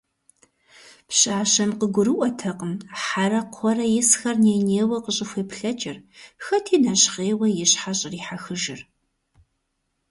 Пщащэм къыгурыӀуэтэкъым Хьэрэ-Кхъуэрэ исхэр ней-нейуэ къыщӀыхуеплъэкӀыр, хэти нэщхъейуэ и щхьэр щӀрихьэхыжыр.